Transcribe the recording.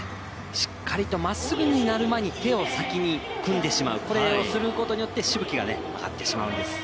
しっかりとまっすぐになる前に手を先に組んでしまうこれをすることによってしぶきが上がってしまうんです。